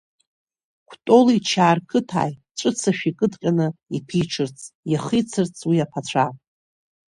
Кәтоли Чаарқыҭи ҵәыцашәа икыдҟьан, иԥиҽырц, иахицарц уи аԥацәа.